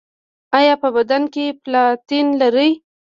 ایا په بدن کې پلاتین لرئ؟